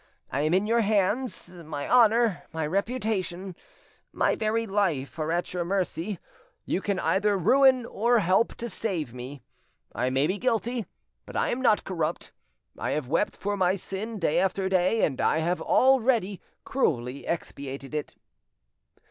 I am in your hands; my honour, my reputation, my very life, are at your mercy; you can either ruin or help to save me. I may be guilty, but I am not corrupt. I have wept for my sin day after day, and I have already cruelly expiated it.